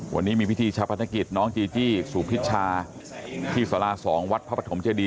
วันนี้มีพิธีชาพนักกิจน้องจีจี้สุพิชชาที่สารา๒วัดพระปฐมเจดี